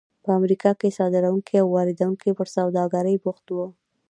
په امریکا کې صادروونکي او واردوونکي پر سوداګرۍ بوخت وو.